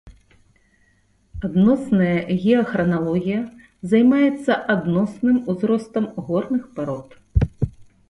Адносная геахраналогія займаецца адносным узростам горных парод.